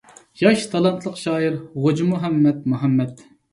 ياش، تالانتلىق شائىر غوجىمۇھەممەد مۇھەممەد